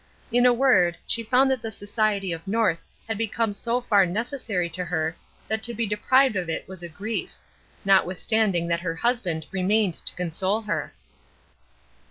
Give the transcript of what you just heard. In a word, she found that the society of North had become so far necessary to her that to be deprived of it was a grief notwithstanding that her husband remained to console her.